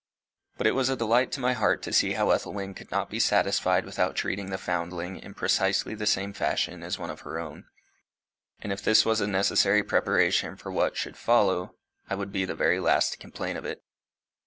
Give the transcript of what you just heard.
But it was a delight to my heart to see how Ethelwyn could not be satisfied without treating the foundling in precisely the same fashion as one of her own. And if this was a necessary preparation for what, should follow, I would be the very last to complain of it.